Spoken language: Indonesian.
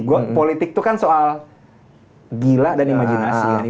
gue politik itu kan soal gila dan imajinasi